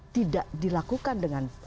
tidak dilakukan dengan